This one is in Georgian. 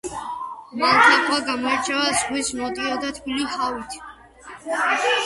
მალთაყვა გამოირჩევა ზღვის ნოტიო და თბილი ჰავით.